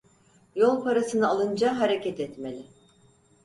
Yol parasını alınca hareket etmeli…